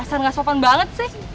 ih dasar gak sopan banget sih